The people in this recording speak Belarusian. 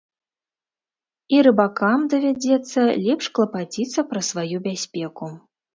І рыбакам давядзецца лепш клапаціцца пра сваю бяспеку.